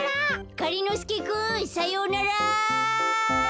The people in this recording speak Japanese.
がりのすけくんさようなら。